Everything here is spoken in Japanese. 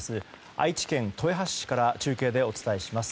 愛知県豊橋市から中継でお伝えします。